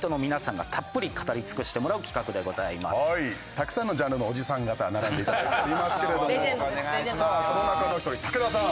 たくさんのジャンルのおじさん方並んで頂いておりますけれどもさあその中の一人武田さん。